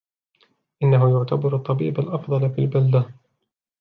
إنه يعتبر الطبيب الأفضل في البلدة.